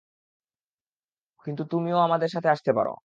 কিন্তু তুমিও আমাদের সাথে আসতে পারো।